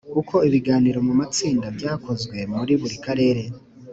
Uko ibiganiro mu matsinda byakozwe muri buri karere